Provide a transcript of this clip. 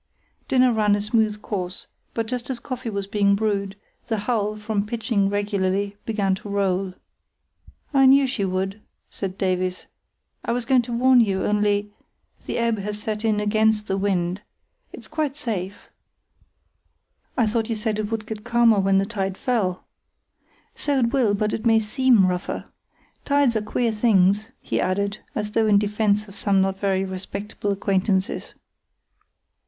Dinner ran a smooth course, but just as coffee was being brewed the hull, from pitching regularly, began to roll. "I knew she would," said Davies. "I was going to warn you, only—the ebb has set in against the wind. It's quite safe——" "I thought you said it would get calmer when the tide fell?" "So it will, but it may seem rougher. Tides are queer things," he added, as though in defence of some not very respectable acquaintances.